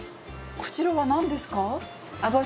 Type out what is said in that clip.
こちらは何ですか？